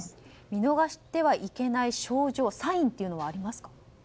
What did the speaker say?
見逃してはいけない症状サインというのはありますか？